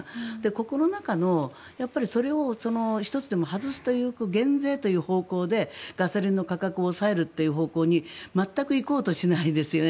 ここの中の、それを１つでも外すという減税という方向でガソリンの価格を抑える方向に全く行こうとしないですよね